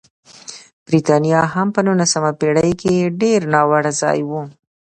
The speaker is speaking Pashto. برېټانیا هم په نولسمه پېړۍ کې ډېر ناوړه ځای و.